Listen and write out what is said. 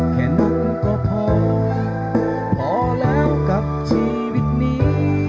แค่นั้นก็พอพอแล้วกับชีวิตนี้